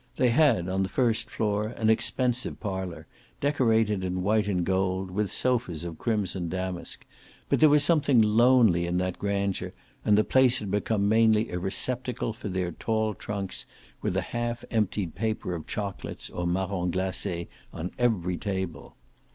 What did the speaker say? They had, on the first floor, an expensive parlour, decorated in white and gold, with sofas of crimson damask; but there was something lonely in that grandeur and the place had become mainly a receptacle for their tall trunks, with a half emptied paper of chocolates or marrons glaces on every table.